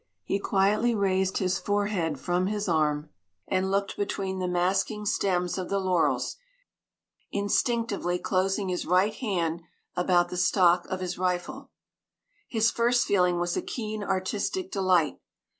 He quietly raised his forehead from his arm and looked between the masking stems of the laurels, instinctively closing his right hand about the stock of his rifle. His first feeling was a keen artistic delight.